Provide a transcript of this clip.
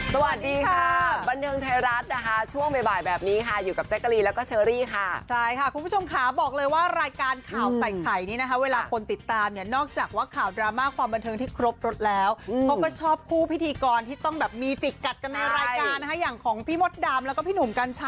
สวัสดีค่ะบันเทิงไทยรัฐนะคะช่วงบ่ายแบบนี้ค่ะอยู่กับแจกะลีแล้วก็เชอรี่ค่ะใช่ค่ะคุณผู้ชมค่ะบอกเลยว่ารายการข่าวใส่ไข่นี่นะคะเวลาคนติดตามเนี่ยนอกจากว่าข่าวดราม่าความบันเทิงที่ครบรถแล้วเขาก็ชอบคู่พิธีกรที่ต้องแบบมีจิกกัดกันในรายการนะคะอย่างของพี่มดดำแล้วก็พี่หนุ่มกัญชา